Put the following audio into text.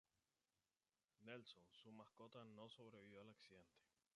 Nelson, su mascota, no sobrevivió al accidente.